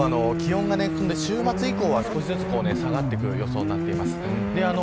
結構、気温が週末以降は少しずつ下がってくる予想になっています。